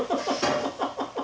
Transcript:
ハハハハ！